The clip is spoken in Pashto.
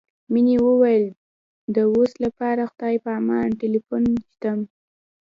مينې وويل د اوس لپاره خدای په امان ټليفون ږدم.